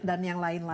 dan yang lain lain